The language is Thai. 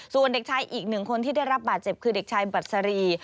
ส่วนเด็กชายอีกหนึ่งคนที่ได้รับบาดเจ็บคือเด็กชายบัสรี